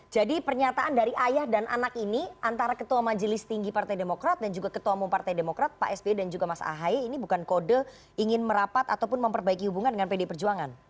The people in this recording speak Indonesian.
jadi pernyataan dari ayah dan anak ini antara ketua majelis tinggi partai demokrat dan juga ketua umum partai demokrat pak sby dan juga mas ahai ini bukan kode ingin merapat ataupun memperbaiki hubungan dengan pd perjuangan